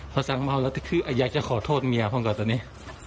พอสร้างเมาแล้วที่คืออยากจะขอโทษเมียพรุ่งกับตัวนี้